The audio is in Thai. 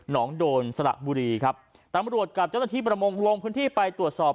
น้องโดนสระบุรีครับตำรวจกับเจ้าหน้าที่ประมงลงพื้นที่ไปตรวจสอบ